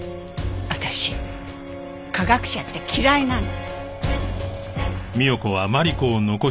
私科学者って嫌いなの！